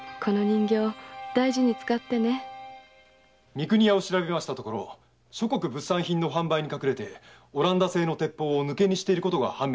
三国屋を調べましたところ物産品の販売に隠れオランダ製の鉄砲を抜け荷していることが判明しました。